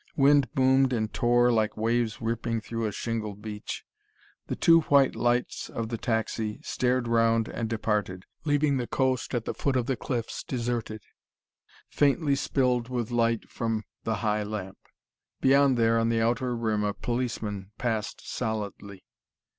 Wind boomed and tore like waves ripping a shingle beach. The two white lights of the taxi stared round and departed, leaving the coast at the foot of the cliffs deserted, faintly spilled with light from the high lamp. Beyond there, on the outer rim, a policeman passed solidly.